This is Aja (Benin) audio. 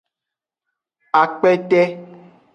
Akpete.